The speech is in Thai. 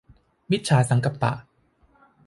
มิจฉาสังกัปปะ